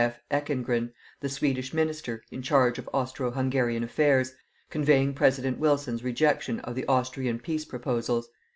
F. Ekengren, the Swedish Minister, in charge of Austro Hungarian affairs, conveying President Wilson's rejection of the Austrian peace proposals.